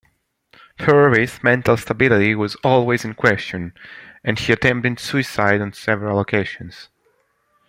Purvis' mental stability was always in question, and he attempted suicide on several occasions.